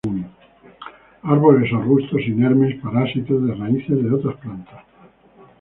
Árboles o arbustos inermes, parásitos de raíces de otras plantas.